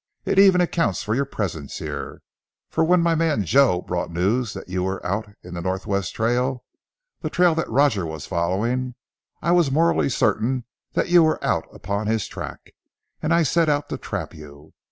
It even accounts for your presence here, for when my man Joe brought news that you were out in the Northward trail, the trail that Roger was following, I was morally certain that you were out upon his track, and I set out to trap you.